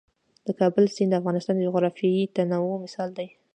د کابل سیند د افغانستان د جغرافیوي تنوع مثال دی.